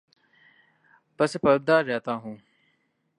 پس پردہ رہتا ہوں